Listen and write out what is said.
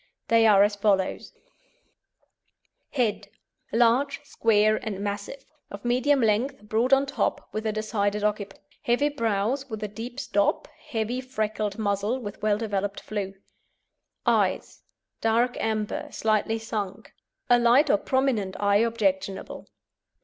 They are as follows: HEAD Large, square and massive, of medium length, broad on top, with a decided occiput; heavy brows with a deep stop; heavy freckled muzzle, with well developed flew. EYES Dark amber; slightly sunk. A light or prominent eye objectionable.